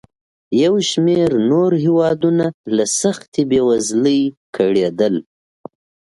یو شمېر نور هېوادونه له سختې بېوزلۍ کړېدل.